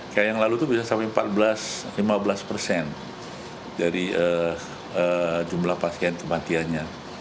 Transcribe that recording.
kayak yang lalu itu bisa sampai empat belas lima belas persen dari jumlah pasien kematiannya